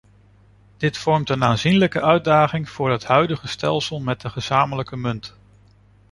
Dit vormt een aanzienlijke uitdaging voor het huidige stelsel met de gezamenlijke munt.